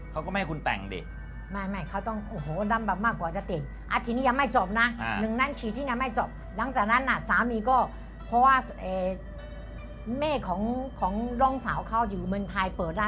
เขาก็ไม่ให้คุณแต่งเนอะ